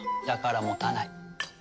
だから持たない。